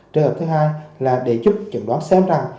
trường hợp thứ hai là để giúp chẩn đoán xem rằng